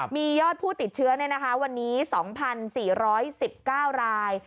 มียอดผู้ติดเชื้อวันนี้๒๔๑๙ราย